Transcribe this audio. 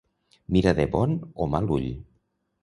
Mira de bon o mal ull.